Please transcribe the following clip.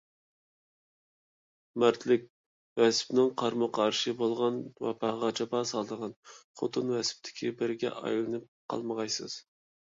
«مەردلىك» ۋەسپىنىڭ قارىمۇقارشىسى بولغان ۋاپاغا جاپا سالىدىغان «خوتۇن» ۋەسپىدىكى بىرىگە ئايلىنىپ قالمىغايسىز.